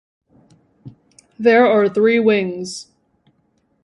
There are three wings.